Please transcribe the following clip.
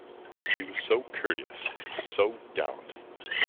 He was so courteous, so gallant!